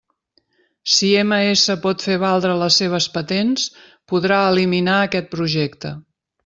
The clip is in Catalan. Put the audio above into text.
Si MS pot fer valdre les seves patents, podrà eliminar aquest projecte.